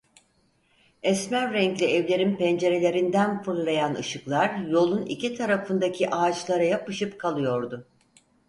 Esmer renkli evlerin pencerelerinden fırlayan ışıklar yolun iki tarafındaki ağaçlara yapışıp kalıyordu.